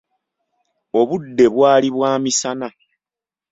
Obudde bwali bwa misana.